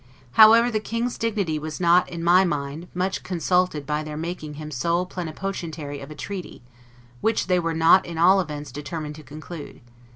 However, the King's dignity was not, in my mind, much consulted by their making him sole plenipotentiary of a treaty, which they were not in all events determined to conclude.